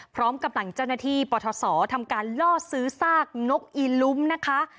พร้อมกำลังเจ้าหน้าที่ปทศทำการล่อซื้อซากนกอีลุ้มนะคะ